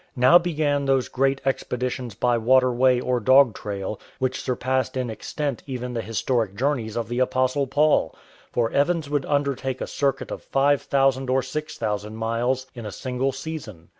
Now began those great expeditions by waterway or dog trail which surpassed in extent even the historic journeys of the Apostle Paul, for Evans would undertake a circuit of five thousand or six thousand miles in a single season.